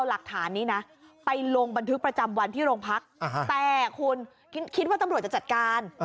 หลักฐานนี้นะไปลงบันทึกประจำวันที่โรงพักแต่คุณคิดว่าตำรวจจะจัดการ